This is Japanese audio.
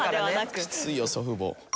きついよ祖父母。